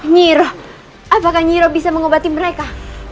nyiro apakah nyiro bisa mengobati mereka